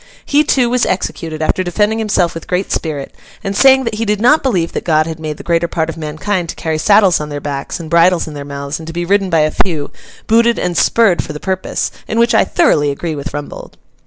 He, too, was executed, after defending himself with great spirit, and saying that he did not believe that God had made the greater part of mankind to carry saddles on their backs and bridles in their mouths, and to be ridden by a few, booted and spurred for the purpose—in which I thoroughly agree with Rumbold.